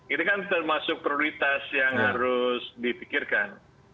ini kan termasuk prioritas yang harus dipikirkan